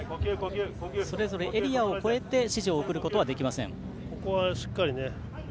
それぞれエリアを越えて指示を送ることはできません。